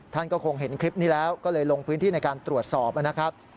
ท่านก็คงเห็นคลิปนี้แล้วก็เลยลงพื้นที่ในการตรวจสอบนะครับ